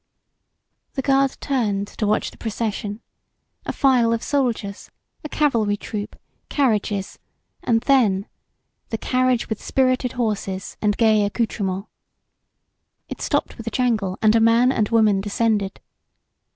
The guard turned to watch the procession a file of soldiers, a cavalry troop, carriages and then the carriage with spirited horses and gay accoutrements. It stopped with a jangle and a man and woman descended.